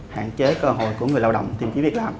hạn chế cơ hội của người lao động tìm kiếm việc làm